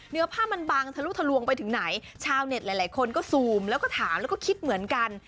เนื้อผ้ามันบังทะลุทะลวงไปถึงไหนชาวเน็ตหลายคนก็ซูมแล้วก็ถามแล้วก็คิดเหมือนกัน